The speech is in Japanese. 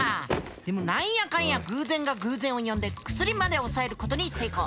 でも何やかんや偶然が偶然を呼んで薬まで押さえることに成功。